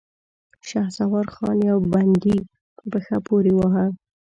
شهسوار خان يو بندي په پښه پورې واهه.